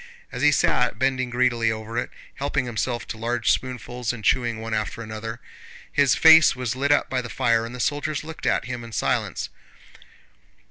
As he sat bending greedily over it, helping himself to large spoonfuls and chewing one after another, his face was lit up by the fire and the soldiers looked at him in silence.